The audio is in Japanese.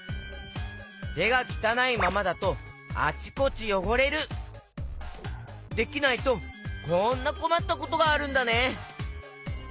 てがきたないままだとできないとこんなこまったことがあるんだね！